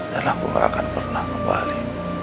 dan aku gak akan pernah kembali